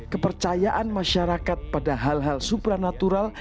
kepercayaan masyarakat pada hal hal supranatural